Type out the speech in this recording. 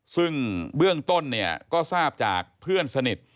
ซึ่งเบื้องต้นเนี่ยก็ทราบจากเพื่อนสนิท